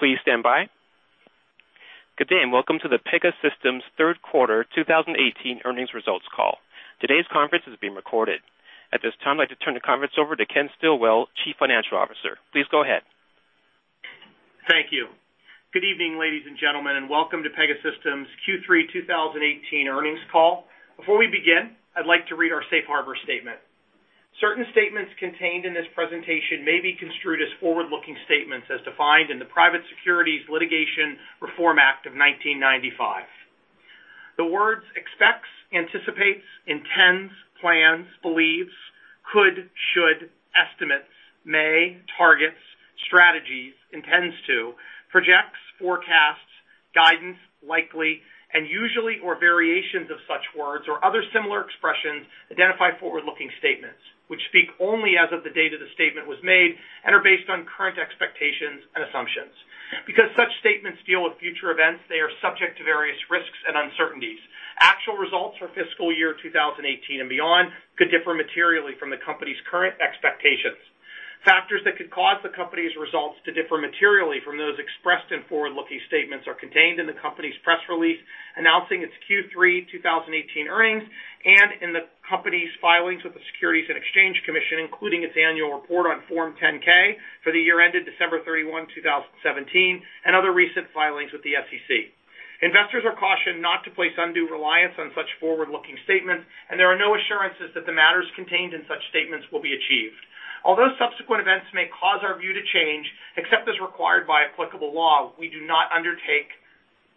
Please stand by. Good day, and welcome to the Pegasystems' third quarter 2018 earnings results call. Today's conference is being recorded. At this time, I'd like to turn the conference over to Ken Stillwell, Chief Financial Officer. Please go ahead. Thank you. Good evening, ladies and gentlemen, welcome to Pegasystems' Q3 2018 earnings call. Before we begin, I'd like to read our safe harbor statement. Certain statements contained in this presentation may be construed as forward-looking statements as defined in the Private Securities Litigation Reform Act of 1995. The words expects, anticipates, intends, plans, believes, could, should, estimates, may, targets, strategies, intends to, projects, forecasts, guidance, likely, and usually or variations of such words or other similar expressions identify forward-looking statements, which speak only as of the date of the statement was made and are based on current expectations and assumptions. Because such statements deal with future events, they are subject to various risks and uncertainties. Actual results for fiscal year 2018 and beyond could differ materially from the company's current expectations. Factors that could cause the company's results to differ materially from those expressed in forward-looking statements are contained in the company's press release announcing its Q3 2018 earnings and in the company's filings with the Securities and Exchange Commission, including its annual report on Form 10-K for the year ended December 31, 2017, and other recent filings with the SEC. Investors are cautioned not to place undue reliance on such forward-looking statements, and there are no assurances that the matters contained in such statements will be achieved. Although subsequent events may cause our view to change, except as required by applicable law, we do not undertake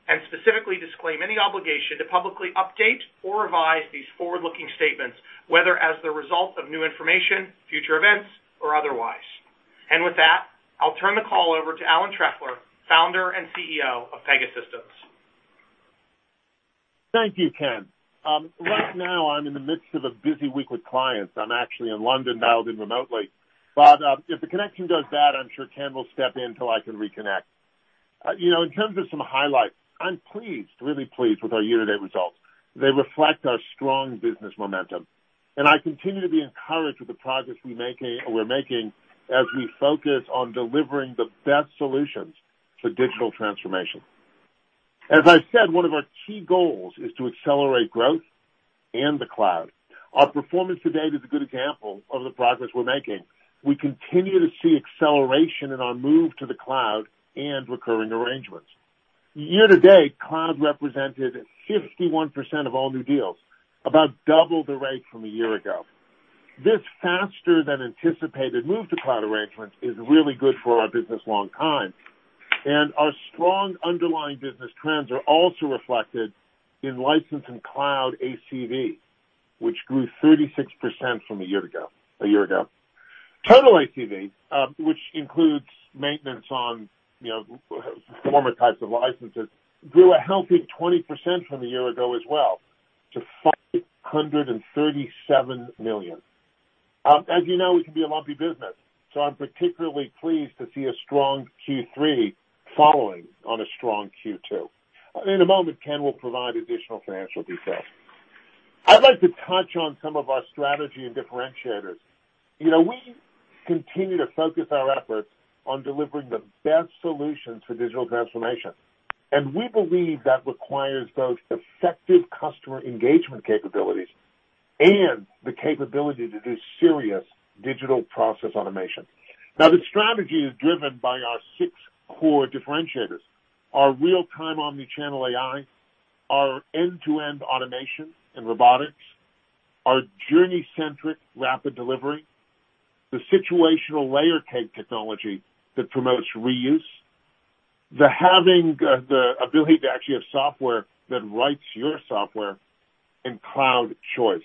and specifically disclaim any obligation to publicly update or revise these forward-looking statements, whether as the result of new information, future events, or otherwise. With that, I'll turn the call over to Alan Trefler, Founder and CEO of Pegasystems. Thank you, Ken. Right now, I'm in the midst of a busy week with clients. I'm actually in London, dialed in remotely. If the connection goes bad, I'm sure Ken will step in till I can reconnect. In terms of some highlights, I'm pleased, really pleased with our year-to-date results. They reflect our strong business momentum, and I continue to be encouraged with the progress we're making as we focus on delivering the best solutions for digital transformation. As I said, one of our key goals is to accelerate growth and the cloud. Our performance to date is a good example of the progress we're making. We continue to see acceleration in our move to the cloud and recurring arrangements. Year to date, cloud represented 51% of all new deals, about double the rate from a year ago. This faster than anticipated move to cloud arrangements is really good for our business long time. Our strong underlying business trends are also reflected in license and cloud ACV, which grew 36% from a year ago. Total ACV, which includes maintenance on former types of licenses, grew a healthy 20% from a year ago as well to $537 million. As you know, it can be a lumpy business, so I'm particularly pleased to see a strong Q3 following on a strong Q2. In a moment, Ken will provide additional financial details. I'd like to touch on some of our strategy and differentiators. We continue to focus our efforts on delivering the best solutions for digital transformation, and we believe that requires both effective customer engagement capabilities and the capability to do serious digital process automation. The strategy is driven by our six core differentiators. Our real-time omnichannel AI, our end-to-end automation and robotics, our journey-centric rapid delivery, the situational layer cake technology that promotes reuse, the having the ability to actually have software that writes your software, and cloud choice.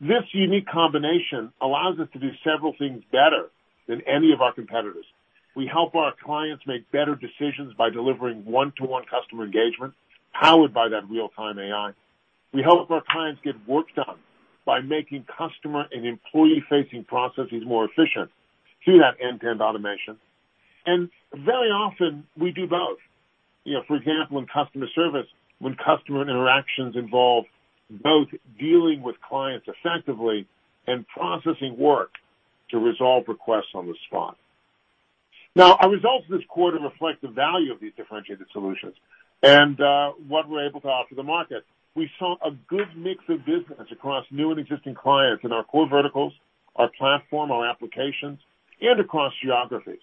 This unique combination allows us to do several things better than any of our competitors. We help our clients make better decisions by delivering one-to-one customer engagement powered by that real-time AI. We help our clients get work done by making customer and employee-facing processes more efficient through that end-to-end automation. Very often, we do both. For example, in customer service, when customer interactions involve both dealing with clients effectively and processing work to resolve requests on the spot. Our results this quarter reflect the value of these differentiated solutions and what we're able to offer the market. We saw a good mix of business across new and existing clients in our core verticals, our platform, our applications, and across geographies.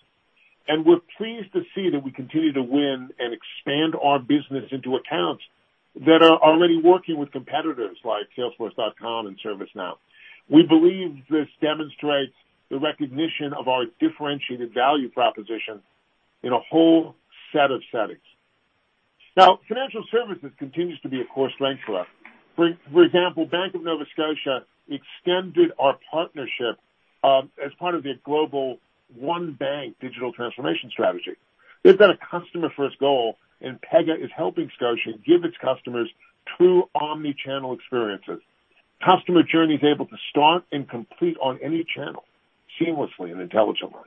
We're pleased to see that we continue to win and expand our business into accounts that are already working with competitors like Salesforce.com and ServiceNow. We believe this demonstrates the recognition of our differentiated value proposition in a whole set of settings. Financial services continues to be a core strength for us. For example, Bank of Nova Scotia extended our partnership, as part of their global One Bank digital transformation strategy. They've got a customer-first goal, and Pega is helping Scotia give its customers true omnichannel experiences. Customer journeys able to start and complete on any channel seamlessly and intelligently.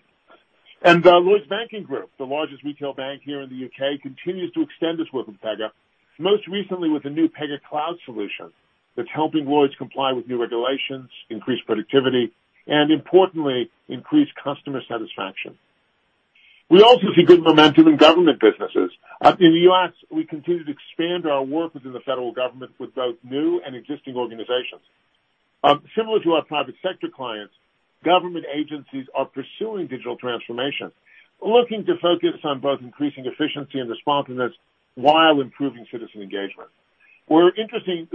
Lloyds Banking Group, the largest retail bank here in the U.K., continues to extend its work with Pega, most recently with a new Pega Cloud solution that's helping Lloyds comply with new regulations, increase productivity, and importantly, increase customer satisfaction. We also see good momentum in government businesses. In the U.S., we continue to expand our work within the federal government with both new and existing organizations. Similar to our private sector clients, government agencies are pursuing digital transformation, looking to focus on both increasing efficiency and responsiveness while improving citizen engagement. We're seeing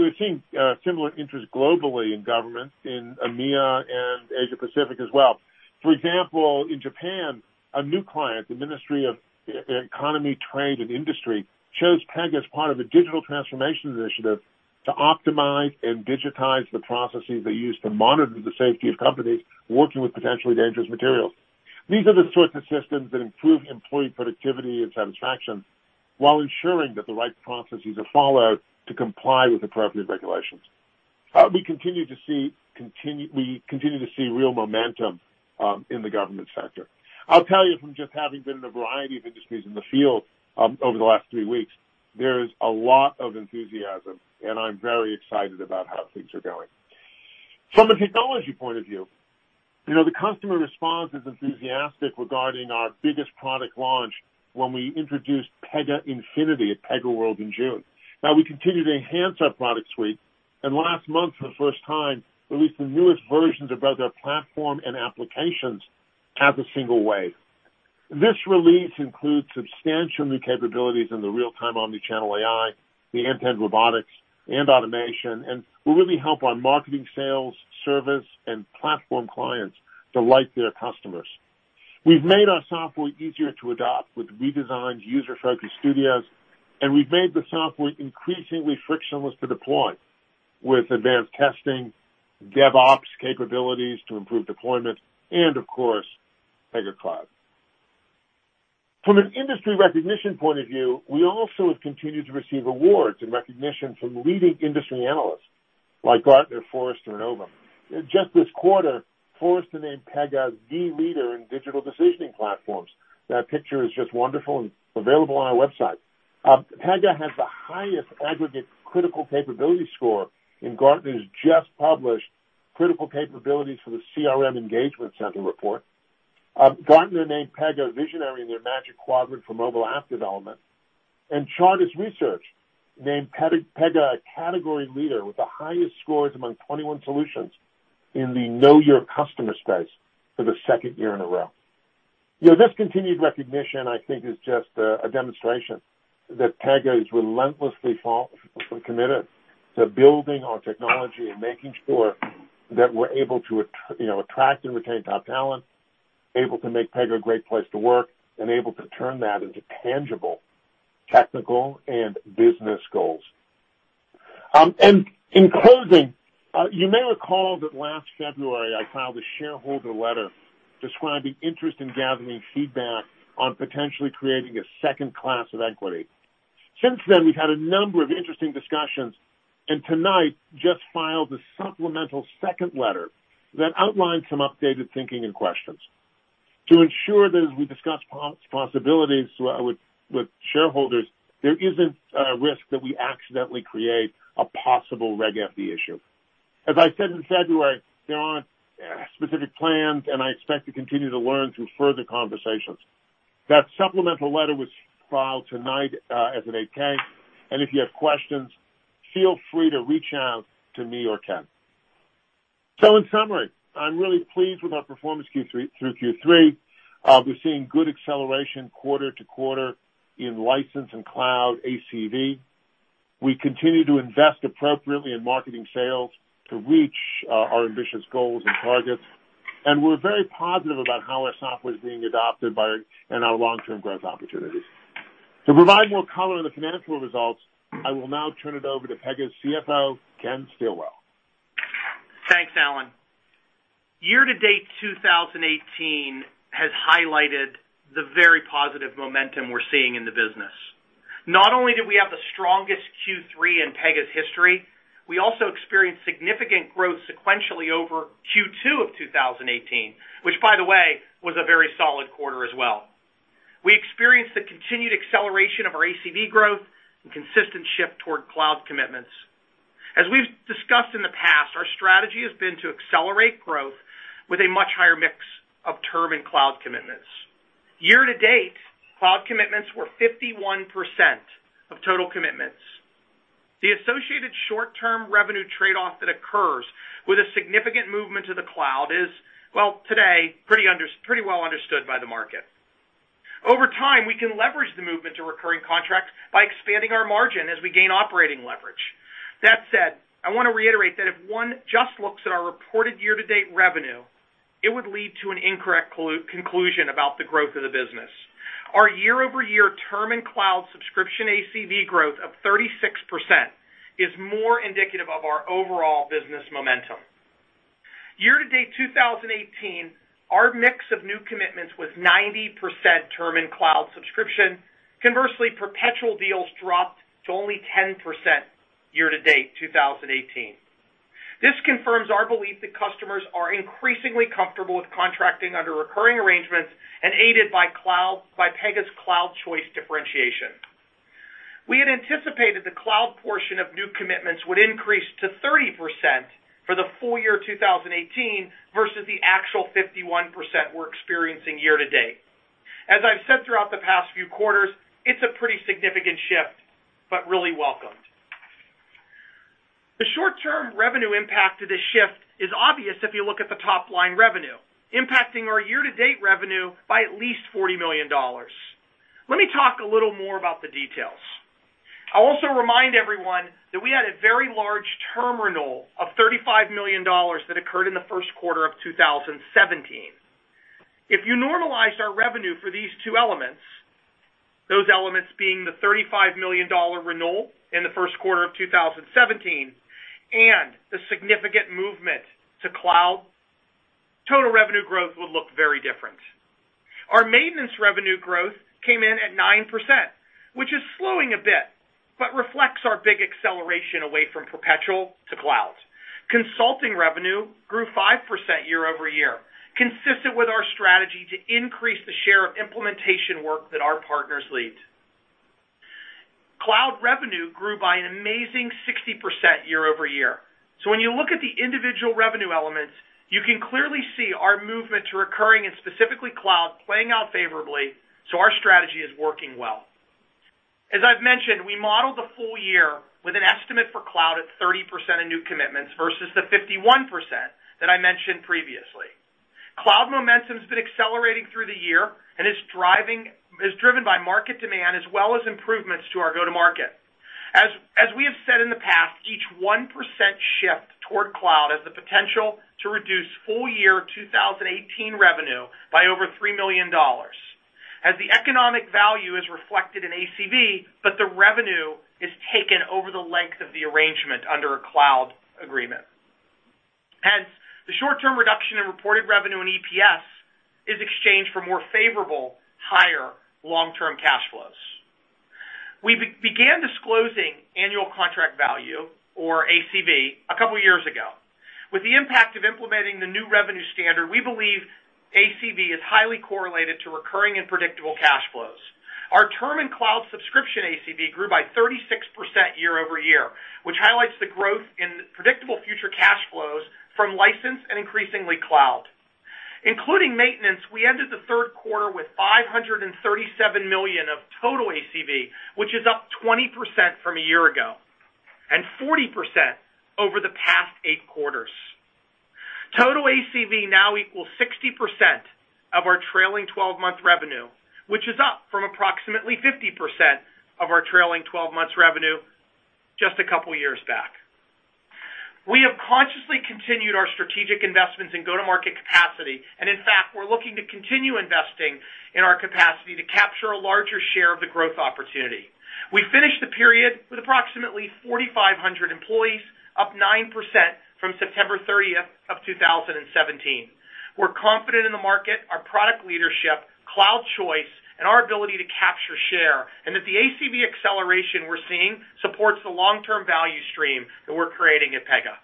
similar interest globally in government in EMEA and Asia Pacific as well. For example, in Japan, a new client, the Ministry of Economy, Trade and Industry, chose Pega as part of a digital transformation initiative to optimize and digitize the processes they use to monitor the safety of companies working with potentially dangerous materials. These are the sorts of systems that improve employee productivity and satisfaction while ensuring that the right processes are followed to comply with appropriate regulations. We continue to see real momentum in the government sector. I'll tell you from just having been in a variety of industries in the field over the last three weeks, there is a lot of enthusiasm, and I'm very excited about how things are going. From a technology point of view, the customer response is enthusiastic regarding our biggest product launch when we introduced Pega Infinity at PegaWorld in June. We continue to enhance our product suite, and last month, for the first time, released the newest versions of both our platform and applications as a single wave. This release includes substantial new capabilities in the real-time omni-channel AI, the end-to-end robotics and automation, and will really help our marketing, sales, service, and platform clients delight their customers. We've made our software easier to adopt with redesigned user-friendly studios, and we've made the software increasingly frictionless to deploy with advanced testing, DevOps capabilities to improve deployment, and of course, Pega Cloud. From an industry recognition point of view, we also have continued to receive awards and recognition from leading industry analysts like Gartner, Forrester, and Ovum. Just this quarter, Forrester named Pega the leader in digital decisioning platforms. That picture is just wonderful and available on our website. Pega has the highest aggregate critical capability score in Gartner's just published Critical Capabilities for the CRM Engagement Center report. Gartner named Pega a visionary in their Magic Quadrant for mobile app development, Chartis Research named Pega a category leader with the highest scores among 21 solutions in the Know Your Customer space for the second year in a row. This continued recognition, I think, is just a demonstration that Pega is relentlessly committed to building our technology and making sure that we're able to attract and retain top talent, able to make Pega a great place to work, and able to turn that into tangible technical and business goals. In closing, you may recall that last February, I filed a shareholder letter describing interest in gathering feedback on potentially creating a second class of equity. Since then, we've had a number of interesting discussions and tonight just filed a supplemental second letter that outlines some updated thinking and questions to ensure that as we discuss possibilities with shareholders, there isn't a risk that we accidentally create a possible Reg FD issue. As I said in February, there aren't specific plans, and I expect to continue to learn through further conversations. That supplemental letter was filed tonight as an 8-K, and if you have questions, feel free to reach out to me or Ken. In summary, I'm really pleased with our performance Q3 through Q3. We're seeing good acceleration quarter-to-quarter in license and cloud ACV. We continue to invest appropriately in marketing sales to reach our ambitious goals and targets, and we're very positive about how our software is being adopted by and our long-term growth opportunities. To provide more color on the financial results, I will now turn it over to Pega's CFO, Ken Stillwell. Thanks, Alan. Year to date 2018 has highlighted the very positive momentum we're seeing in the business. Not only did we have the strongest Q3 in Pega's history, we also experienced significant growth sequentially over Q2 of 2018, which by the way, was a very solid quarter as well. We experienced the continued acceleration of our ACV growth and consistent shift toward cloud commitments. As we've discussed in the past, our strategy has been to accelerate growth with a much higher mix of term and cloud commitments. Year to date, cloud commitments were 51% of total commitments. The associated short-term revenue trade-off that occurs with a significant movement to the cloud is, well, today, pretty well understood by the market. Over time, we can leverage the movement to recurring contracts by expanding our margin as we gain operating leverage. I want to reiterate that if one just looks at our reported year-to-date revenue, it would lead to an incorrect conclusion about the growth of the business. Our year-over-year term and cloud subscription ACV growth of 36% is more indicative of our overall business momentum. Year to date 2018, our mix of new commitments was 90% term and cloud subscription. Conversely, perpetual deals dropped to only 10% year to date 2018. This confirms our belief that customers are increasingly comfortable with contracting under recurring arrangements and aided by Pega's cloud choice differentiation. We had anticipated the cloud portion of new commitments would increase to 30% for the full year 2018 versus the actual 51% we're experiencing year to date. As I've said throughout the past few quarters, it's a pretty significant shift, but really welcomed. The short-term revenue impact to this shift is obvious if you look at the top-line revenue, impacting our year-to-date revenue by at least $40 million. Let me talk a little more about the details. I'll also remind everyone that we had a very large term renewal of $35 million that occurred in the first quarter of 2017. If you normalized our revenue for these two elements, those elements being the $35 million renewal in the first quarter of 2017 and the significant movement to cloud, total revenue growth would look very different. Our maintenance revenue growth came in at 9%, which is slowing a bit, but reflects our big acceleration away from perpetual to cloud. Consulting revenue grew 5% year-over-year, consistent with our strategy to increase the share of implementation work that our partners lead. Cloud revenue grew by an amazing 60% year-over-year. When you look at the individual revenue elements, you can clearly see our movement to recurring, and specifically cloud, playing out favorably, our strategy is working well. As I've mentioned, we modeled the full year with an estimate for cloud at 30% of new commitments versus the 51% that I mentioned previously. Cloud momentum's been accelerating through the year and is driven by market demand as well as improvements to our go-to-market. As we have said in the past, each 1% shift toward cloud has the potential to reduce full year 2018 revenue by over $3 million, as the economic value is reflected in ACV, but the revenue is taken over the length of the arrangement under a cloud agreement. Hence, the short-term reduction in reported revenue and EPS is exchanged for more favorable, higher long-term cash flows. We began disclosing annual contract value, or ACV, a couple years ago. With the impact of implementing the new revenue standard, we believe ACV is highly correlated to recurring and predictable cash flows. Our term and cloud subscription ACV grew by 36% year-over-year, which highlights the growth in predictable future cash flows from license and increasingly cloud. Including maintenance, we ended the third quarter with $537 million of total ACV, which is up 20% from a year ago, and 40% over the past eight quarters. Total ACV now equals 60% of our trailing 12-month revenue, which is up from approximately 50% of our trailing 12 months revenue just a couple years back. We have consciously continued our strategic investments in go-to-market capacity, and in fact, we're looking to continue investing in our capacity to capture a larger share of the growth opportunity. We finished the period with approximately 4,500 employees, up 9% from September 30th of 2017. We're confident in the market, our product leadership, cloud choice, and our ability to capture share, and that the ACV acceleration we're seeing supports the long-term value stream that we're creating at Pega.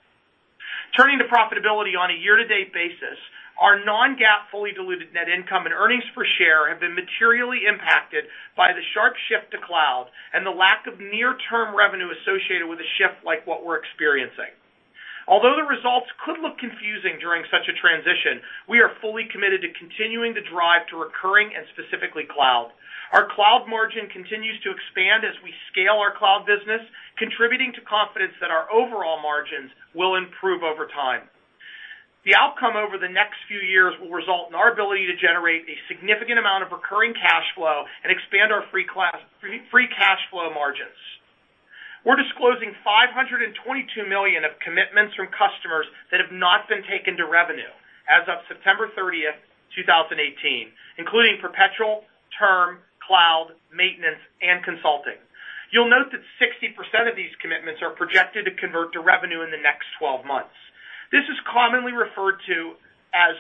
Turning to profitability on a year-to-date basis, our non-GAAP fully diluted net income and earnings per share have been materially impacted by the sharp shift to cloud and the lack of near-term revenue associated with a shift like what we're experiencing. Although the results could look confusing during such a transition, we are fully committed to continuing the drive to recurring and specifically cloud. Our cloud margin continues to expand as we scale our cloud business, contributing to confidence that our overall margins will improve over time. The outcome over the next few years will result in our ability to generate a significant amount of recurring cash flow and expand our free cash flow margins. We're disclosing $522 million of commitments from customers that have not been taken to revenue as of September 30th, 2018, including perpetual, term, cloud, maintenance, and consulting. You'll note that 60% of these commitments are projected to convert to revenue in the next 12 months. This is commonly referred to as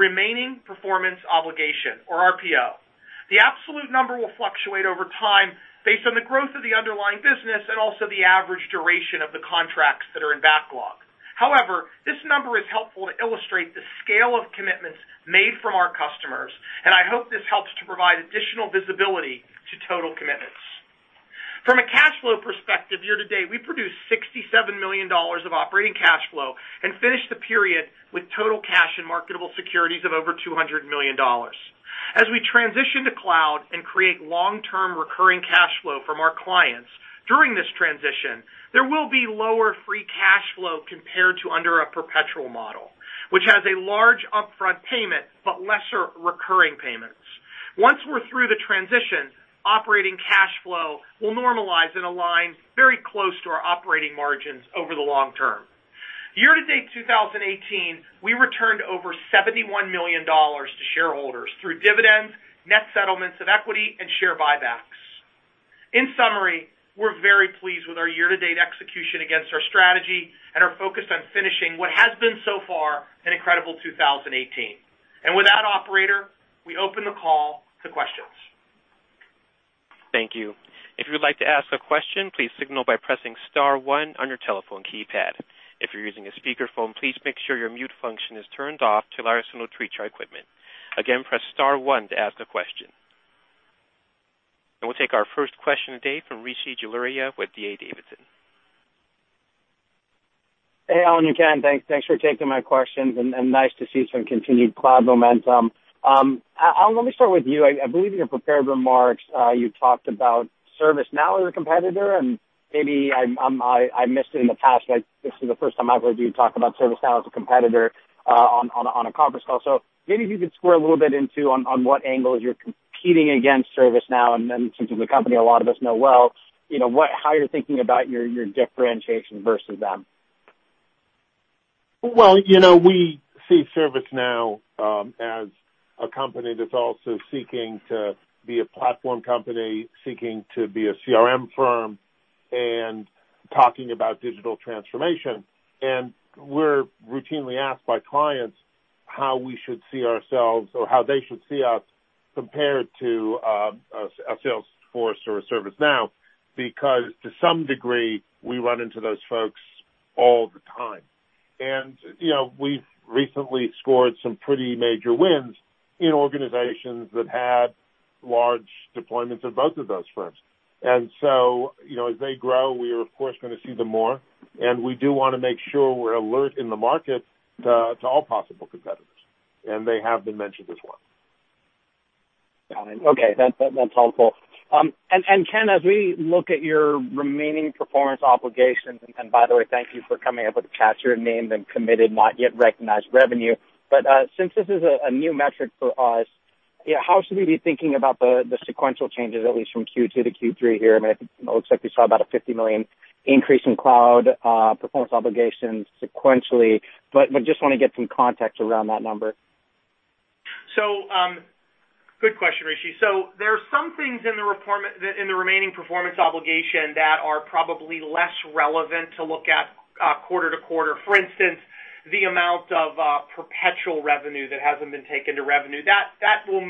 Remaining Performance Obligation, or RPO. The absolute number will fluctuate over time based on the growth of the underlying business and also the average duration of the contracts that are in backlog. However, this number is helpful to illustrate the scale of commitments made from our customers, and I hope this helps to provide additional visibility to total commitments. From a cash flow perspective, year to date, we produced $67 million of operating cash flow and finished the period with total cash and marketable securities of over $200 million. As we transition to cloud and create long-term recurring cash flow from our clients, during this transition, there will be lower free cash flow compared to under a perpetual model, which has a large upfront payment but lesser recurring payments. Once we're through the transition, operating cash flow will normalize and align very close to our operating margins over the long term. Year to date 2018, we returned over $71 million to shareholders through dividends, net settlements of equity, and share buybacks. In summary, we're very pleased with our year-to-date execution against our strategy and are focused on finishing what has been so far an incredible 2018. With that, operator, we open the call to questions If you would like to ask a question, please signal by pressing star one on your telephone keypad. If you're using a speakerphone, please make sure your mute function is turned off to allow us to treat your equipment. Again, press star one to ask a question. We'll take our first question of the day from Rishi Jaluria with D.A. Davidson. Hey, Alan, Ken. Thanks for taking my questions, and nice to see some continued cloud momentum. Alan, let me start with you. I believe in your prepared remarks, you talked about ServiceNow as a competitor, and maybe I missed it in the past, but this is the first time I've heard you talk about ServiceNow as a competitor on a conference call. Maybe if you could square a little bit into on what angles you're competing against ServiceNow, and then since it's a company a lot of us know well, how you're thinking about your differentiation versus them. Well, we see ServiceNow as a company that's also seeking to be a platform company, seeking to be a CRM firm, and talking about digital transformation. We're routinely asked by clients how we should see ourselves or how they should see us compared to a Salesforce or a ServiceNow, because to some degree, we run into those folks all the time. We've recently scored some pretty major wins in organizations that had large deployments of both of those firms. As they grow, we are of course going to see them more, and we do want to make sure we're alert in the market to all possible competitors, and they have been mentioned as one. Got it. Okay. That's helpful. Ken, as we look at your remaining performance obligations, and by the way, thank you for coming up with a catchier name than committed not yet recognized revenue. Since this is a new metric for us, how should we be thinking about the sequential changes at least from Q2 to Q3 here? I think it looks like we saw about a $50 million increase in cloud performance obligations sequentially, just want to get some context around that number. Good question, Rishi. There are some things in the remaining performance obligation that are probably less relevant to look at quarter to quarter. For instance, the amount of perpetual revenue that hasn't been taken to revenue. That will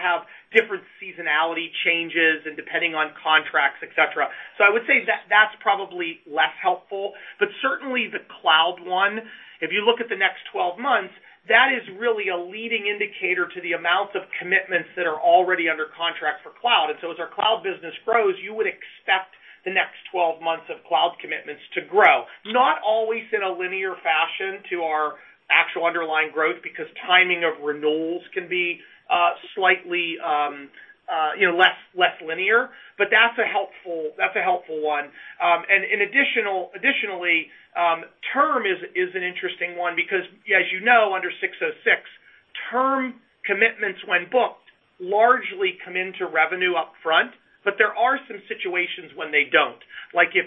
have different seasonality changes and depending on contracts, et cetera. I would say that's probably less helpful. Certainly the cloud one, if you look at the next 12 months, that is really a leading indicator to the amount of commitments that are already under contract for cloud. As our cloud business grows, you would expect the next 12 months of cloud commitments to grow. Not always in a linear fashion to our actual underlying growth, because timing of renewals can be slightly less linear. That's a helpful one. Additionally, term is an interesting one because as you know, under 606, term commitments when booked, largely come into revenue up front. There are some situations when they don't, like if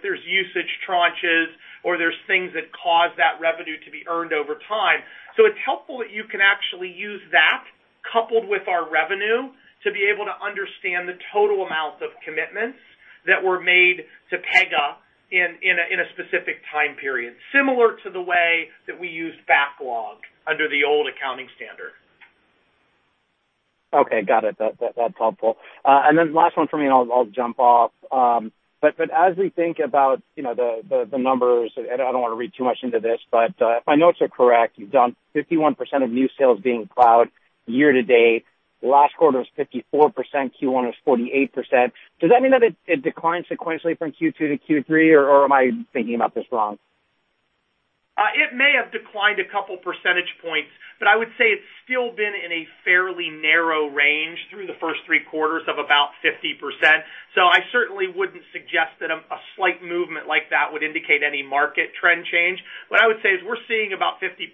there's usage tranches or there's things that cause that revenue to be earned over time. It's helpful that you can actually use that coupled with our revenue to be able to understand the total amount of commitments that were made to Pega in a specific time period. Similar to the way that we use backlog under the old accounting standard. Okay. Got it. That's helpful. Last one from me and I'll jump off. As we think about the numbers, and I don't want to read too much into this, but if my notes are correct, you've done 51% of new sales being cloud year to date. Last quarter was 54%, Q1 was 48%. Does that mean that it declined sequentially from Q2 to Q3, or am I thinking about this wrong? It may have declined a couple percentage points, but I would say it's still been in a fairly narrow range through the first three quarters of about 50%. I certainly wouldn't suggest that a slight movement like that would indicate any market trend change. What I would say is we're seeing about 50%,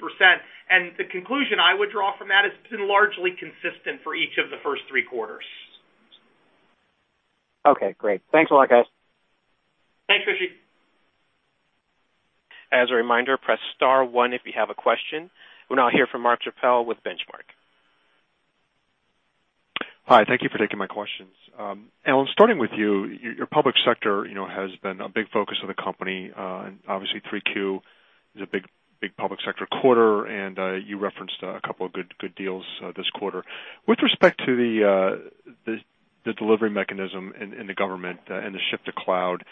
and the conclusion I would draw from that is it's been largely consistent for each of the first three quarters. Okay, great. Thanks a lot, guys. Thanks, Rishi. As a reminder, press star one if you have a question. We'll now hear from Mark Schappel with Benchmark. Hi. Thank you for taking my questions. Alan, starting with you, your public sector has been a big focus of the company. Obviously 3Q is a big public sector quarter, and you referenced a couple of good deals this quarter. With respect to the delivery mechanism in the government and the shift to cloud,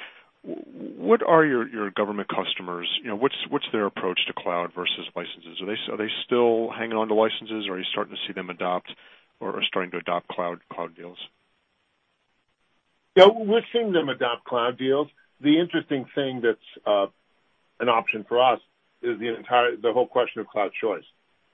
what are your government customers, what's their approach to cloud versus licenses? Are they still hanging on to licenses or are you starting to see them adopt or are starting to adopt cloud deals? Yeah, we're seeing them adopt cloud deals. The interesting thing that's an option for us is the whole question of cloud choice.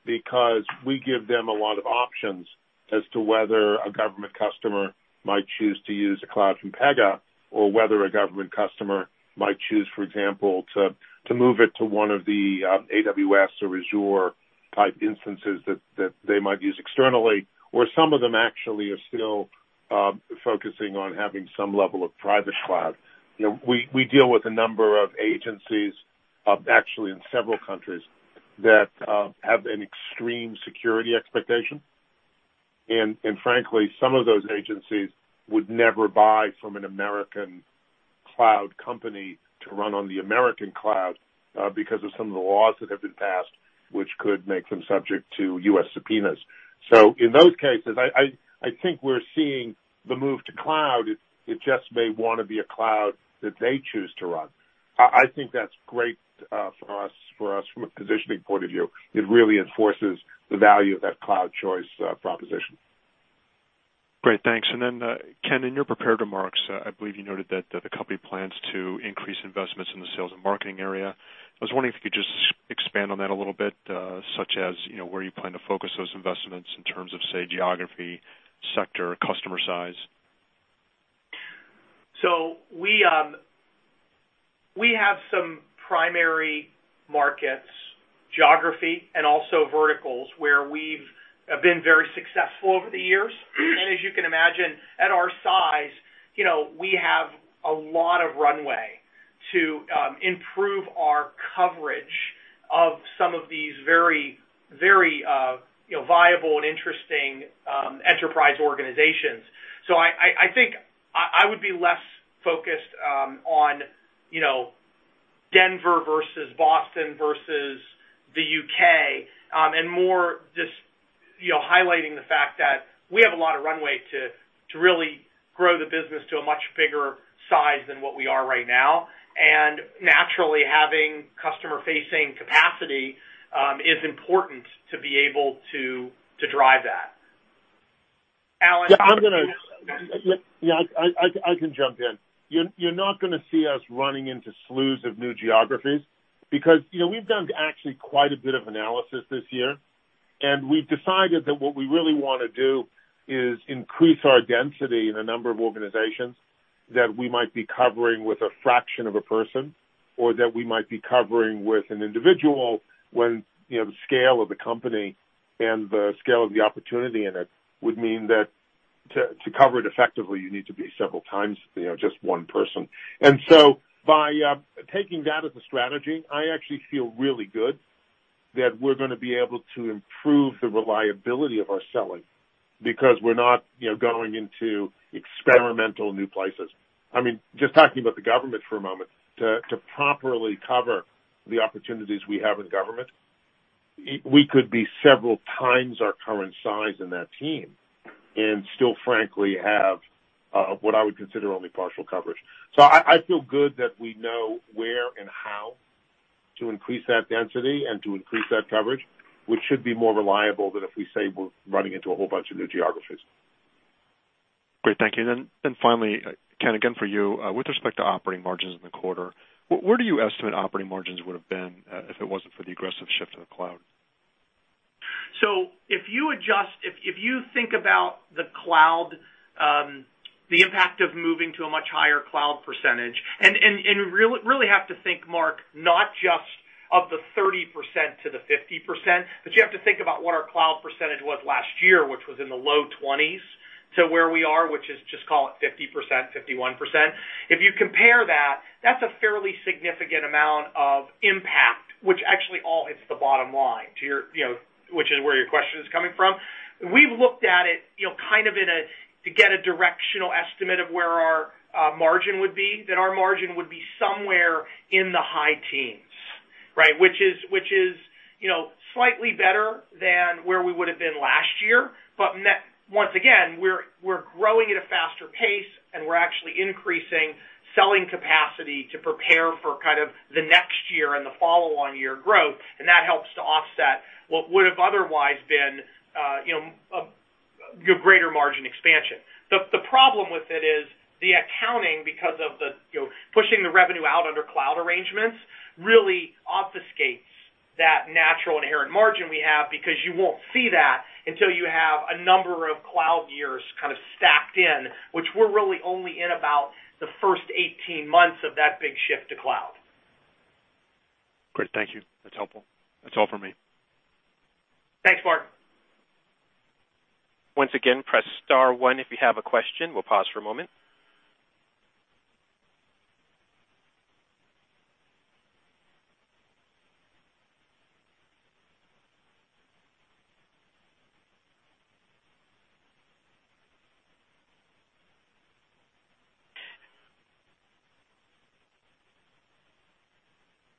We give them a lot of options as to whether a government customer might choose to use a cloud from Pega or whether a government customer might choose, for example, to move it to one of the AWS or Azure type instances that they might use externally, or some of them actually are still focusing on having some level of private cloud. We deal with a number of agencies, actually in several countries, that have an extreme security expectation. Frankly, some of those agencies would never buy from an American cloud company to run on the American cloud because of some of the laws that have been passed, which could make them subject to U.S. subpoenas. In those cases, I think we're seeing the move to cloud. It just may want to be a cloud that they choose to run. I think that's great for us from a positioning point of view. It really enforces the value of that cloud choice proposition. Great. Thanks. Then, Ken, in your prepared remarks, I believe you noted that the company plans to increase investments in the sales and marketing area. I was wondering if you could just expand on that a little bit, such as where you plan to focus those investments in terms of, say, geography, sector, customer size. We have some primary markets, geography, and also verticals where we've been very successful over the years. As you can imagine, at our size, we have a lot of runway to improve our coverage of some of these very viable and interesting enterprise organizations. I think I would be less focused on Denver versus Boston versus the U.K., and more just highlighting the fact that we have a lot of runway to really grow the business to a much bigger size than what we are right now. Naturally, having customer-facing capacity is important to be able to drive that. Alan Yeah, I can jump in. You're not going to see us running into slews of new geographies because we've done actually quite a bit of analysis this year, and we've decided that what we really want to do is increase our density in a number of organizations that we might be covering with a fraction of a person, or that we might be covering with an individual when the scale of the company and the scale of the opportunity in it would mean that to cover it effectively, you need to be several times just one person. By taking that as a strategy, I actually feel really good that we're going to be able to improve the reliability of our selling because we're not going into experimental new places. Just talking about the government for a moment, to properly cover the opportunities we have in government, we could be several times our current size in that team and still frankly have what I would consider only partial coverage. I feel good that we know where and how to increase that density and to increase that coverage, which should be more reliable than if we say we're running into a whole bunch of new geographies. Great. Thank you. Finally, Ken, again for you, with respect to operating margins in the quarter, where do you estimate operating margins would have been if it wasn't for the aggressive shift to the cloud? If you think about the impact of moving to a much higher cloud percentage, you really have to think, Mark, not just of the 30% to the 50%, but you have to think about what our cloud percentage was last year, which was in the low 20s to where we are, which is just call it 50%, 51%. If you compare that's a fairly significant amount of impact, which actually all hits the bottom line, which is where your question is coming from. We've looked at it to get a directional estimate of where our margin would be, that our margin would be somewhere in the high teens. Which is slightly better than where we would have been last year. Once again, we're growing at a faster pace, we're actually increasing selling capacity to prepare for kind of the next year and the follow-on year growth, that helps to offset what would have otherwise been a greater margin expansion. The problem with it is the accounting, because of the pushing the revenue out under cloud arrangements, really obfuscates that natural inherent margin we have, because you won't see that until you have a number of cloud years kind of stacked in which we're really only in about the first 18 months of that big shift to cloud. Great. Thank you. That's helpful. That's all for me. Thanks, Mark. Once again, press star one if you have a question. We'll pause for a moment.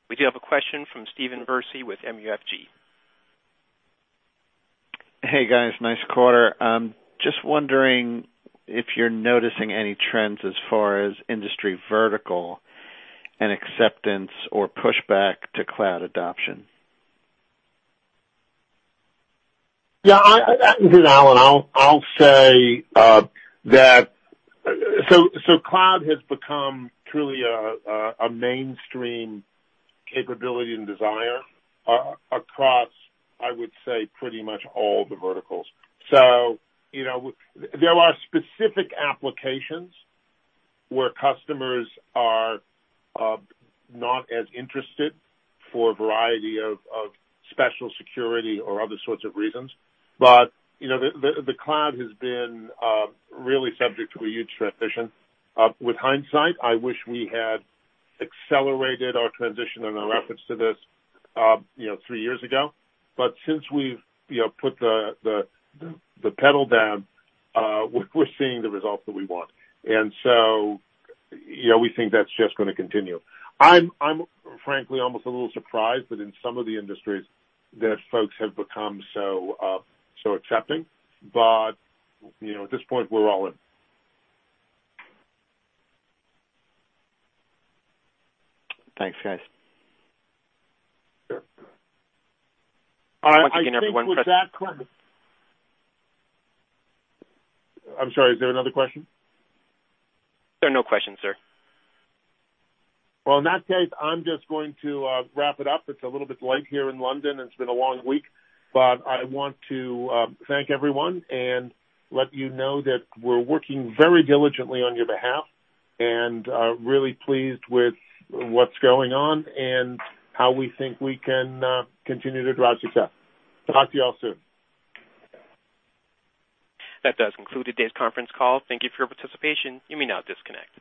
We do have a question from Steve Koenig with MUFG. Hey, guys. Nice quarter. Just wondering if you're noticing any trends as far as industry vertical and acceptance or pushback to cloud adoption. Yeah. Alan, I'll say that so cloud has become truly a mainstream capability and desire across, I would say, pretty much all the verticals. There are specific applications where customers are not as interested for a variety of special security or other sorts of reasons. The cloud has been really subject to a huge transition. With hindsight, I wish we had accelerated our transition and our efforts to this three years ago. Since we've put the pedal down, we're seeing the results that we want. We think that's just going to continue. I'm frankly almost a little surprised that in some of the industries that folks have become so accepting. At this point, we're all in. Thanks, guys. Sure. Once again, everyone- I think with that-- I'm sorry, is there another question? There are no questions, sir. Well, in that case, I'm just going to wrap it up. It's a little bit late here in London, and it's been a long week. I want to thank everyone and let you know that we're working very diligently on your behalf and really pleased with what's going on and how we think we can continue to drive success. Talk to you all soon. That does conclude today's conference call. Thank you for your participation. You may now disconnect.